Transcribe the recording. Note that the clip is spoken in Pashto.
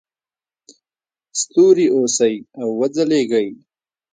ستوري اوسئ او وځلیږئ.